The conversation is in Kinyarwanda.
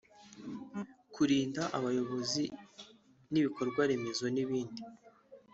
kurinda abayobozi n’ibikorwaremezo n’ibindi